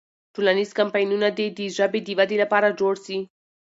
ټولنیز کمپاینونه دې د ژبې د ودې لپاره جوړ سي.